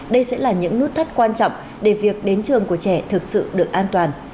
đây sẽ là những nút thắt quan trọng để việc đến trường của trẻ thực sự được an toàn